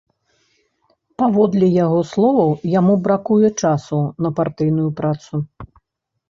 Паводле яго словаў, яму бракуе часу на партыйную працу.